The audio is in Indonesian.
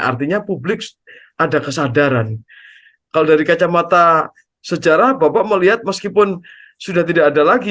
artinya publik ada kesadaran kalau dari kacamata sejarah bapak melihat meskipun sudah tidak ada lagi